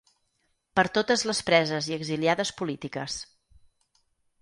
Per totes les preses i exiliades polítiques.